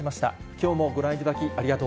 きょうもご覧いただき、ありがと